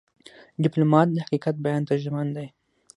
ډيپلومات د حقیقت بیان ته ژمن دی.